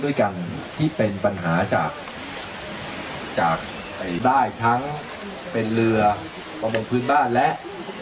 ด้วยกันที่เป็นปัญหาจากได้ทั้งเป็นเรือประมงพื้นบ้านและ